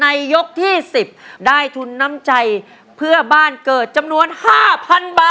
ยกที่๑๐ได้ทุนน้ำใจเพื่อบ้านเกิดจำนวน๕๐๐๐บาท